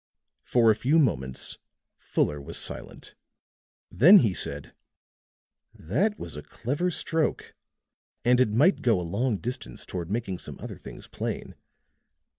For a few moments Fuller was silent. Then he said: "That was a clever stroke, and it might go a long distance toward making some other things plain.